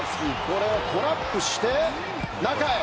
これをトラップして中へ。